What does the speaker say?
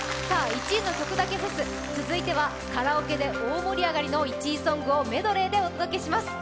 「１位の曲だけフェス」続いては、カラオケで大盛り上がりの１位ソングをメドレーでお届けします。